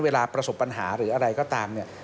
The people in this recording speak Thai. เวลาประสบปัญหาหรืออะไรก็ตามเนี่ย